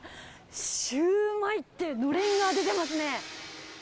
シュウマイってのれんが出てますね。